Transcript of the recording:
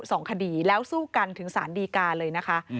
สองคดีแล้วสู้กันถึงสารดีกาเลยนะคะ